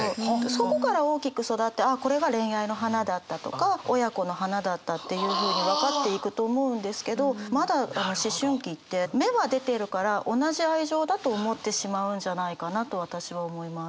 そこから大きく育ってあっこれが恋愛の花だったとか親子の花だったっていうふうに分かっていくと思うんですけどまだ思春期って芽は出てるから同じ愛情だと思ってしまうんじゃないかなと私は思います。